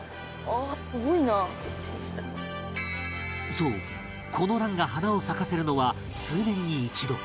そうこのランが花を咲かせるのは数年に一度